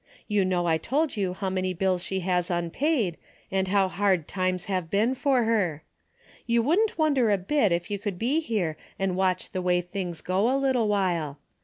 You know I told you how many bills she has un 104 DAILY BATE.'' paid and how hard times have been for her. You wouldn't wonder a bit if you could be here and watch the way things go a little while.